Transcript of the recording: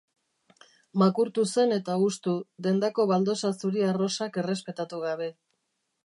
Makurtu zen eta hustu, dendako baldosa zuri-arrosak errespetatu gabe.